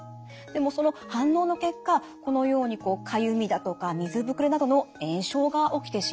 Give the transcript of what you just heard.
でもその反応の結果このようにかゆみだとか水膨れなどの炎症が起きてしまうんですね。